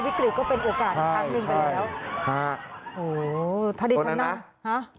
วิกฤตก็เป็นโอกาสอีกครั้งนึงไปแล้วโอ้โหถ้าได้ทั้งนั้นโต๊ะนั้นนะ